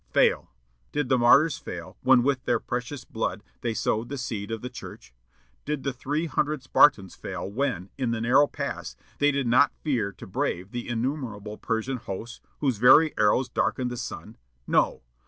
Fail! Did the martyrs fail when with their precious blood they sowed the seed of the Church?... Did the three hundred Spartans fail when, in the narrow pass, they did not fear to brave the innumerable Persian hosts, whose very arrows darkened the sun? No!